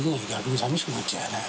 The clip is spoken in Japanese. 佞さみしくなっちゃうよね。